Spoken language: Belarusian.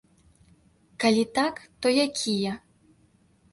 Калі так, то якія?